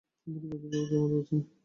সম্প্রতি PhD paper জমা দিয়েছেন।